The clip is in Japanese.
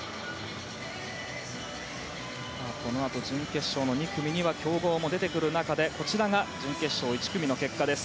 このあと、準決勝第２組には強豪も出てきますが準決勝１組の結果です。